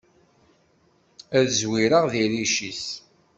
Ad zwireγ di rric-is!